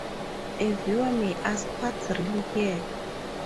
A viewer may ask what's real here?